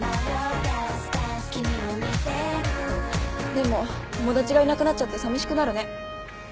でも友達がいなくなっちゃってさみしくなるね。